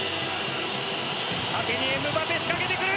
縦にエムバペ仕掛けてくる！